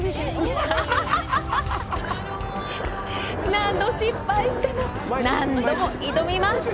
何度失敗しても、何度も挑みます。